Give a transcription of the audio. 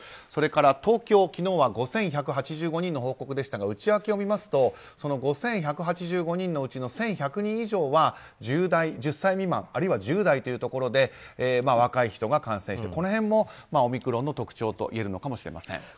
それから、東京昨日は５１８５人の報告でしたが内訳をみますと５１８５人のうちの１１００人以上は１０歳未満あるいは１０代というところで若い人が感染しているこの辺もオミクロンの特徴といえるのかもしれません。